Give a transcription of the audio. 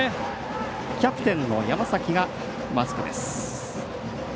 キャプテンの山崎がマスクです。